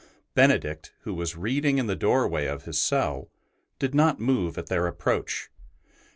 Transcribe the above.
Benedict, who was reading in the doorway of his cell, did not move at their approach.